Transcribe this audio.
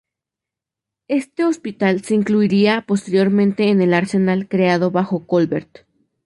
Este hospital se incluiría posteriormente en el arsenal creado bajo Colbert.